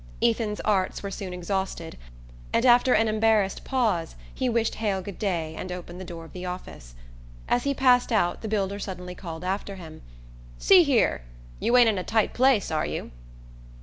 Ethan's arts were soon exhausted, and after an embarrassed pause he wished Hale good day and opened the door of the office. As he passed out the builder suddenly called after him: "See here you ain't in a tight place, are you?"